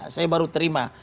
saya baru terima